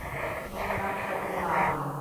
Был гонаһты үҙемә алырмын.